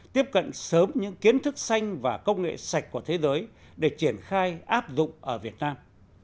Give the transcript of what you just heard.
tiếp cận sớm những kiến thức xanh và công nghệ sạch của thế giới để triển khai áp dụng ở việt nam